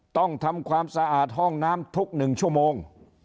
ต้องทำความสะอาดห้องน้ำทุก๑ชั่วโมง